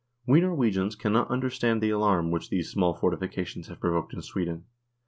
We Norwegians cannot understand the alarm which these small fortifications have provoked in Sweden.